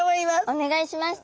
お願いします。